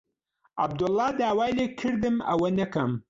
عەبدوڵڵا داوای لێ کردم ئەوە نەکەم.